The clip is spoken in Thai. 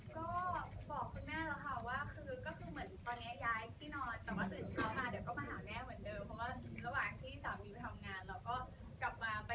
ก็บอกคุณแม่แล้วค่ะว่าคือ